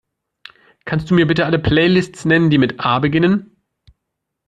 Kannst Du mir bitte alle Playlists nennen, die mit A beginnen?